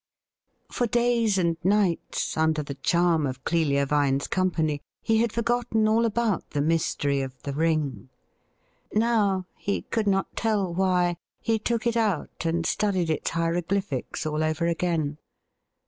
For days and nights, under the charm of Clelia Vine's company, he had forgotten all about the mystery of the ring. Now, he could not tell why, he took it out and studied its hieroglyphics all over again.